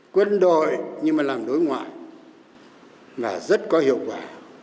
quân đội nhưng mà làm đối ngoại và rất có hiệu quả